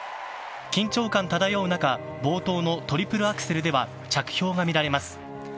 緊張感漂う中、冒頭のトリプルアクセルでは、着氷が乱れます。